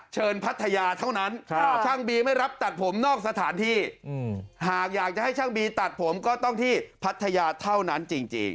พัทยาเท่านั้นช่างบีไม่รับตัดผมนอกสถานที่หากอยากจะให้ช่างบีตัดผมก็ต้องที่พัทยาเท่านั้นจริง